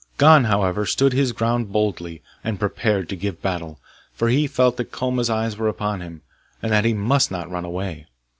Gon, however, stood his ground boldly, and prepared to give battle, for he felt that Koma's eyes were upon him, and that he must not run away.